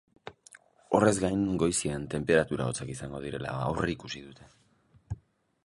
Horrez gain, goizean tenperatura hotzak izango direla aurreikusi dute.